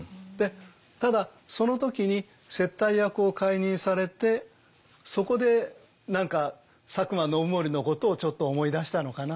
ただその時に接待役を解任されてそこで何か佐久間信盛のことをちょっと思い出したのかな。